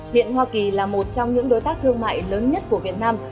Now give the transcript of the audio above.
hiện hoa kỳ là một trong những đối tác thương mại lớn nhất của việt nam